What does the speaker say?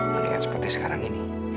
mendingan seperti sekarang ini